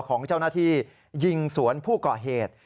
ของเจ้าหน้าที่ยิงสวนผู้ก่อเหตุ